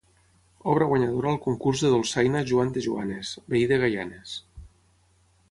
Obra guanyadora al Concurs de Dolçaina Joan de Joanes, veí de Gaianes.